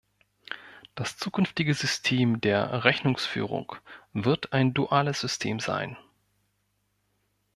Das zukünftige System der Rechnungsführung wird ein duales System sein.